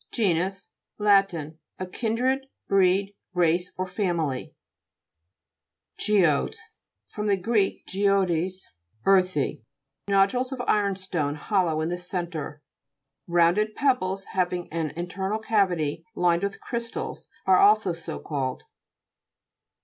GE'UUS Lat. A kindred, breed, race or family. GE'ODES fr. gr, geodes, earthy. Nodules of iron stone, hollow in the centre. Rounded pebbles hav ing an internal cavity, lined with crystals, are also so called.